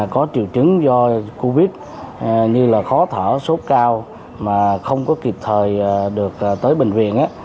có triệu chứng do covid như là khó thở sốt cao mà không có kịp thời được tới bệnh viện